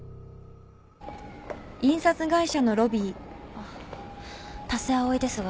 あっ田瀬葵ですが。